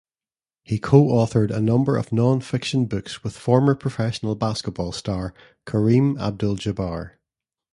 He co-authored a number of non-fiction books with former professional basketball star Kareem Abdul-Jabbar.